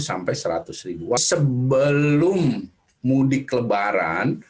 sebelum mudik lebaran